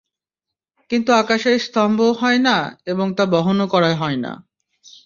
কিন্তু আকাশের স্তম্ভও হয় না এবং তা বহনও করা হয় না।